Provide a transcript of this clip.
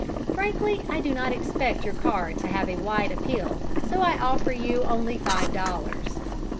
Frankly, I do not expect your card to have a wide appeal, so I offer you only five dollars.